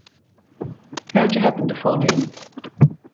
How'd you happen to fall in?